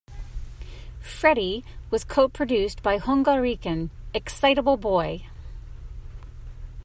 "Freddie", was co-produced by Hunga Rican, Excitable Boy!